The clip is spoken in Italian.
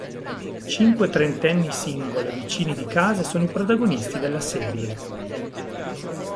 Cinque trentenni single e vicini di casa sono i protagonisti della serie.